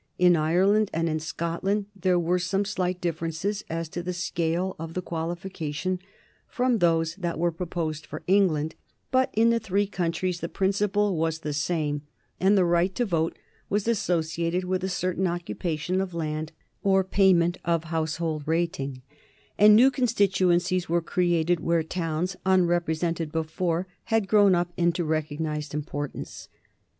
In Ireland and in Scotland there were some slight differences as to the scale of the qualification from those that were proposed for England; but in the three countries the principle was the same, and the right to vote was associated with a certain occupation of land or payment of household rating, and new constituencies were created where towns, unrepresented before, had grown up into recognized importance.